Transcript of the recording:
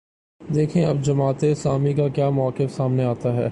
دیکھیے اب جماعت اسلامی کا کیا موقف سامنے آتا ہے۔